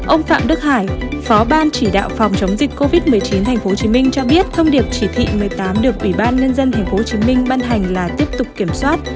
ông phạm đức hải phó ban chỉ đạo phòng chống dịch covid một mươi chín tp hcm cho biết thông điệp chỉ thị một mươi tám được ủy ban nhân dân tp hcm ban hành là tiếp tục kiểm soát